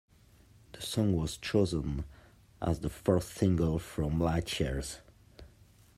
The song was chosen as the fourth single from Light Years.